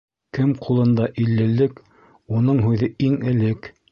Кем ҡулында иллелек, уның һүҙе иң элек.